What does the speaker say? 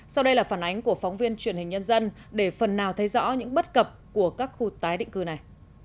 sau đây là phản ánh của phóng viên truyền hình nhân dân để phần nào thấy rõ những bất cập của các khu tái định cư này